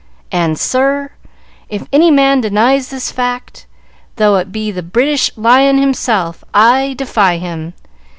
And, sir, if any man denies this fact, though it be the British Lion himself, I defy him.